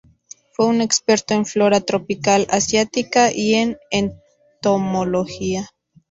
Fue un experto en flora tropical asiática, y en entomología.